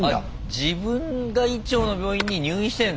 自分が医長の病院に入院してんだ。